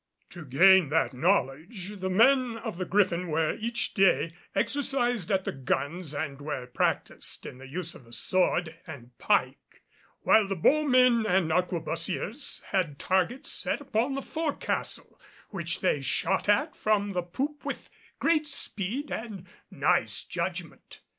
To gain that knowledge the men of the Griffin were each day exercised at the guns and were practised in the use of the sword and pike, while the bowmen and arquebusiers had targets set upon the fore castle which they shot at from the poop with great speed and nice judgment.